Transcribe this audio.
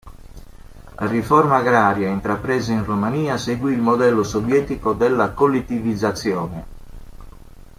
La riforma agraria intrapresa in Romania seguì il modello sovietico della collettivizzazione.